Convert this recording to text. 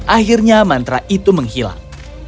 akhirnya mantra itu menghilang